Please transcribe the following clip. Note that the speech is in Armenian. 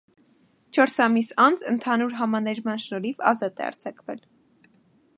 Չորս ամիս անց, ընդհանուր համաներման շնորհիվ ազատ է արձակվել։